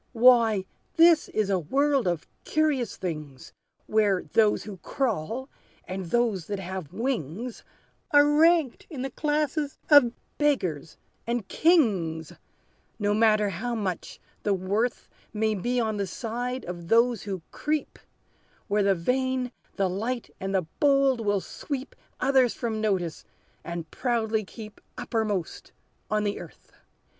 "Why, this is a world of curious things, Where those who crawl, and those that have wings, Are ranked in the classes of beggars, and kings, No matter how much the worth May be on the side of those who creep, Where the vain, the light, and the bold will sweep, Others from notice, and proudly keep Uppermost on the earth!